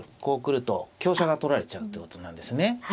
こう来ると香車が取られちゃうってことなんですね。